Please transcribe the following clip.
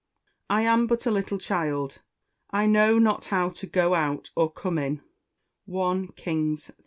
[Verse: "I am but a little child: I know not how to go out or come in." I KINGS III.